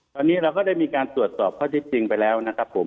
ตอนนี้เราก็ได้มีการตรวจสอบข้อที่จริงแล้วนะครับผม